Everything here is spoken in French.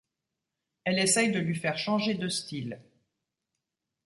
Elle essaye de lui faire changer de style.